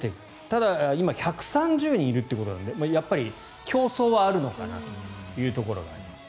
ただ、今１３０人いるってことなので競争はあるのかなというところがあります。